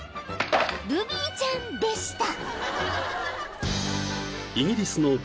［ルビーちゃんでした］